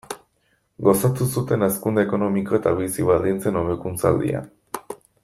Gozatu zuten hazkunde ekonomiko eta bizi-baldintzen hobekuntza aldian.